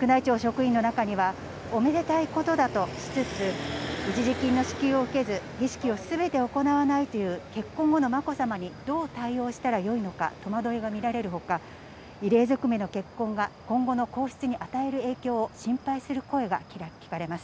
宮内庁職員の中には、おめでたいことだとしつつ、一時金の支給を受けず、儀式をすべて行わないという結婚後のまこさまにどう対応したらよいのか、戸惑いが見られるほか、異例ずくめの結婚が今後の皇室に与える影響を心配する声が聞かれます。